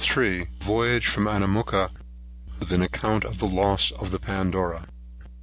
VOYAGE FROM ANAMOOKA, WITH AN ACCOUNT OF THE LOSS OF THE PANDORA.